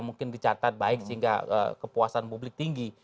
mungkin dicatat baik sehingga kepuasan publik tinggi